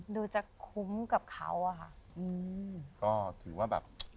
ดูจะคุ้มกับเขาค่ะ